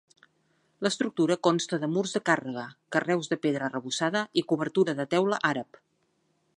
L'estructura consta de murs de càrrega, carreus de pedra arrebossada i cobertura de teula àrab.